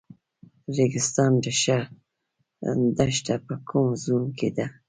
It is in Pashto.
ریګستان دښته په کوم زون کې ده؟